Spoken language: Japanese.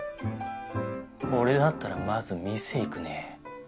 俺だったらまず店行くね。